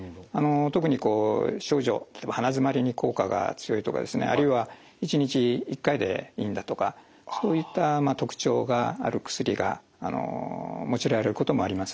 特に症状例えば鼻詰まりに効果が強いとかですねあるいは１日１回でいいんだとかそういった特徴がある薬が用いられることもあります。